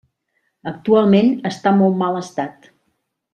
Actualment està en molt mal estat.